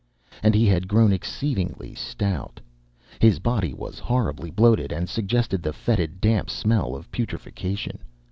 And he had grown exceedingly stout. His body was horribly bloated and suggested the fetid, damp smell of putrefaction.